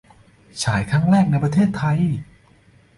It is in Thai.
ฉายครั้งแรกในประเทศไทย !